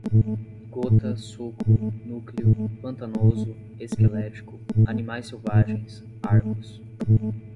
gota, suco, núcleo, pantanoso, esquelético, animais selvagens, arcos